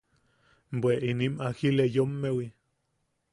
–Bwe inim ‘agileyommewiʼ.